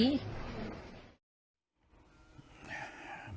ใช่